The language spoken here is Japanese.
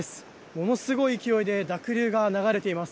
ものすごい勢いで濁流が流れています。